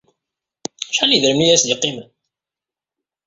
Acḥal n yedrimen i as-d-yeqqimen?